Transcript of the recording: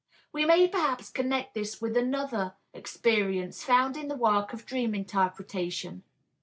We may perhaps connect this with another experience found in the work of dream interpretation.